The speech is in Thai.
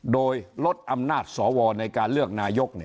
โดยลดอำนาจสวในการเลือกนายก